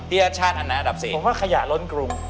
เขียชาติอันดับ๔ผมว่าขยะร้นกรุง